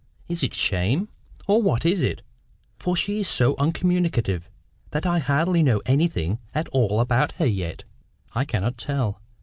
Is it shame, or what is it? for she is so uncommunicative that I hardly know anything at all about her yet." "I cannot tell.